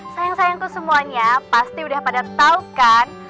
sayang sayangku semuanya pasti udah pada tau kan